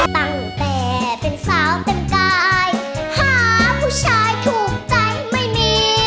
ตั้งแต่เป็นสาวเป็นกายหาผู้ชายถูกใจไม่มี